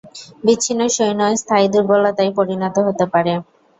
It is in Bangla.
বিচ্ছিন্ন সৈন্য স্থায়ী দুর্বলতায় পরিণত হতে পারে।